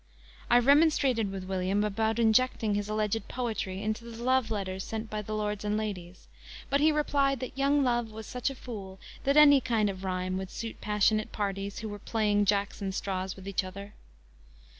I remonstrated with William about injecting his alleged poetry into the love letters sent by the lords and ladies, but he replied that young love was such a fool that any kind of rhyme would suit passionate parties who were playing "Jacks and straws" with each other.